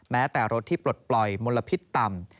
แม้แต่รถที่ปลดปล่อยมลพิษต่ำ